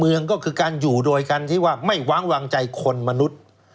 เมืองก็คือการอยู่โดยกันที่ว่าไม่ว้างวางใจคนมนุษย์